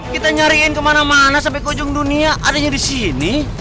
kita nyariin kemana mana sampai ke ujung dunia adanya di sini